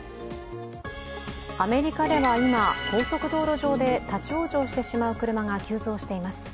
アメリカでは今、高速道路上で立往生してしまう車が急増しています。